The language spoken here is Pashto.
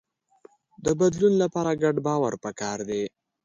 د بدلون لپاره ګډ باور پکار دی.